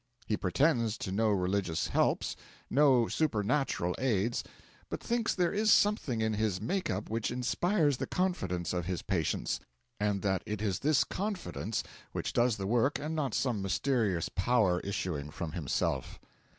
He pretends to no religious helps, no supernatural aids, but thinks there is something in his make up which inspires the confidence of his patients, and that it is this confidence which does the work and not some mysterious power issuing from himself.